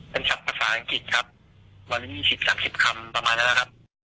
เป็นภาษาอังกฤษครับวันนี้มี๑๐๓๐คำประมาณนั้นนะครับ